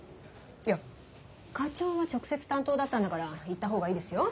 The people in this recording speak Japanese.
いや課長は直接担当だったんだから行った方がいいですよ。